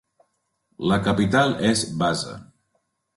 La capital és Baza.